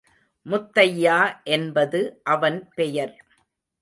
முத்தையா என்பது அவன் பெயர்.